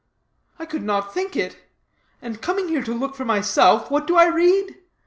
I could not think it; and, coming here to look for myself, what do I read?